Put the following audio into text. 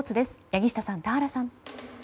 柳下さん、田原さん。